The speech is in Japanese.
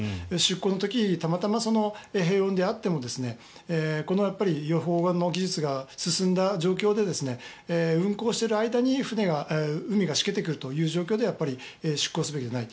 この時たまたま平温であっても予報の技術が進んだ状況で運航している間に海がしけてくるという状況では出港するべきではない。